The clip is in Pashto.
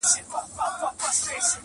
ذکر عبادت او استغفار کوه په نیمه شپه,